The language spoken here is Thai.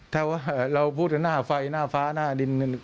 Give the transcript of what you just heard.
ถ้าว่าเราพูดหน้าไฟหน้าฟ้าหน้าดิน